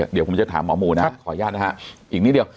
เดี๋ยวผมจะถามหมอหมูนะฮะขออนุญาตนะฮะอีกนิดเดียว